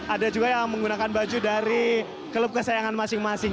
ada juga yang menggunakan baju dari klub kesayangan masing masing